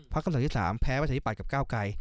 พักคำสอบที่๓แพ้ไปจากที่ป่าดกับก้าวไกล